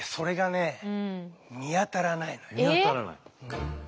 見当たらない。